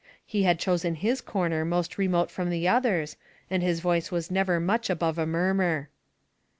He had chosen his corner most remote from the others, and his voice was never much above a murmur.